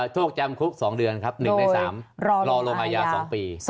โทษจำคุก๒เดือนครับ๑ใน๓รอลงอายา๒ปี